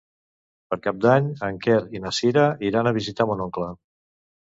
Per Cap d'Any en Quer i na Cira iran a visitar mon oncle.